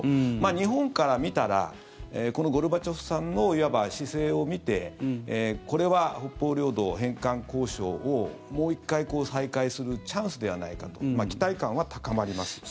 日本から見たらこのゴルバチョフさんの姿勢を見てこれは北方領土の返還交渉をもう１回再開するチャンスではないかと期待感は高まりました。